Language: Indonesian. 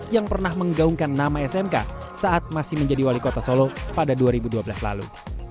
yang pernah menggaungkan nama smk saat masih menjadi wali kota solo pada dua ribu dua belas lalu